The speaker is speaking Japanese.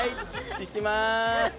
いきます。